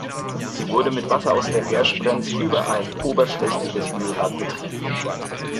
Sie wurde mit Wasser aus der Gersprenz über ein oberschlächtiges Mühlrad betrieben.